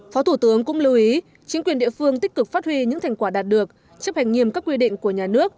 phó thủ tướng cũng lưu ý chính quyền địa phương tích cực phát huy những thành quả đạt được chấp hành nghiêm các quy định của nhà nước